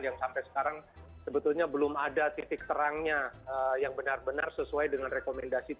yang sampai sekarang sebetulnya belum ada titik terangnya yang benar benar sesuai dengan rekomendasi